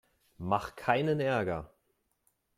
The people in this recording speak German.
Mach keinen Ärger!